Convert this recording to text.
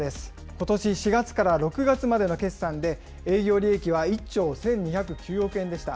ことし４月から６月までの決算で、営業利益は１兆１２０９億円でした。